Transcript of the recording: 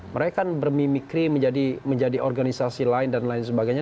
mereka kan bermimikri menjadi organisasi lain dan lain sebagainya